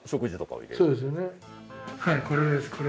はいこれですこれ。